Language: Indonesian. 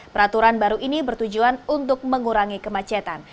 peraturan baru ini bertujuan untuk mengurangi kemacetan